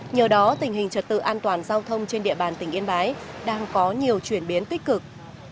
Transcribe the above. nhờ đó tình hình trật tự an toàn giao thông trên địa bàn tỉnh yên bái đang có nhiều chuyển biến tích cực